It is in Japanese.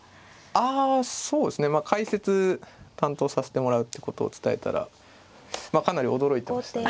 あそうですね解説担当させてもらうってことを伝えたらかなり驚いてましたね。